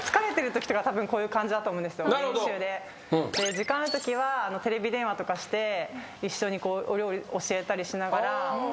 時間あるときはテレビ電話とかして一緒にお料理教えたりしながら。